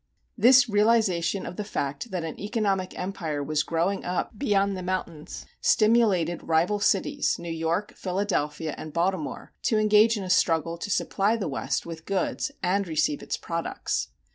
This realization of the fact that an economic empire was growing up beyond the mountains stimulated rival cities, New York, Philadelphia, and Baltimore, to engage in a struggle to supply the West with goods and receive its products.